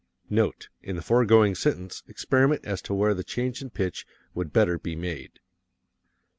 Note: In the foregoing sentence, experiment as to where the change in pitch would better be made.